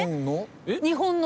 日本の？